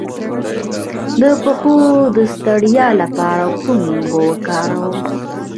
د پښو د ستړیا لپاره کومې اوبه وکاروم؟